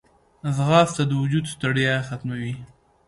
ځغاسته د وجود ستړیا ختموي